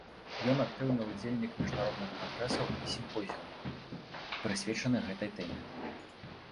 Ён актыўны ўдзельнік міжнародных кангрэсаў і сімпозіумаў, прысвечаных гэтай тэме.